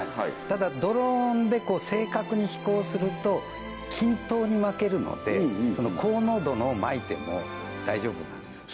ただドローンで正確に飛行すると均等にまけるので高濃度のをまいても大丈夫なんですよ